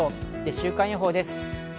週間予報です。